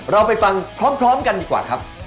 เราไปฟังพร้อมกันดีกว่าครับ